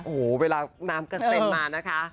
โหเวลาน้ำเกินเต็มมานะคะ